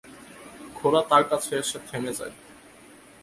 ঘোড়া তার কাছে এসে থেমে যায়।